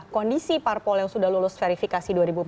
kondisi parpol yang sudah lolos verifikasi